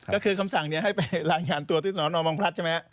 ก็คือคำสั่งนี้ให้ไปรายงานตัวที่สนบังพลัดใช่ไหมครับ